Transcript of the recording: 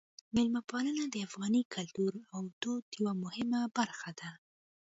میلمه پالنه د افغاني کلتور او دود یوه مهمه برخه ده.